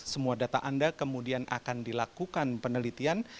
semua data anda kemudian akan dilakukan penelitian